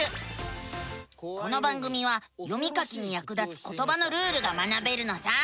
この番組は読み書きにやく立つことばのルールが学べるのさ。